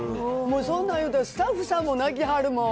そんなん言うたらもうスタッフさんも泣きはる、もう。